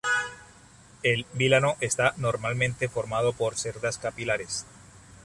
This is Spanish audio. El vilano está normalmente formado por cerdas capilares.